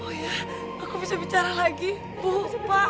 oh iya aku bisa bicara lagi bu pak